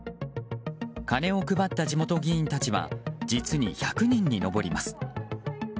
金を配った地元議員たちは実に１００人に上ります。